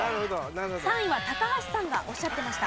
３位は高橋さんがおっしゃってました。